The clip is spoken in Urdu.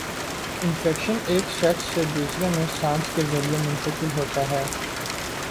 انفیکشن ایک شخص سے دوسرے میں سانس کے ذریعے منتقل ہوتا ہے